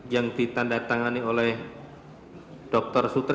yang ditandatangani oleh dokter sutri